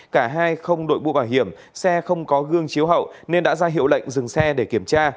cả hai không đội bụ bảo hiểm xe không có gương chiếu hậu nên đã ra hiệu lệnh dừng xe để kiểm tra